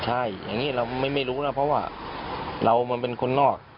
ใช่อย่างนี้เราไม่รู้นะเพราะว่าเรามันเป็นคนนอก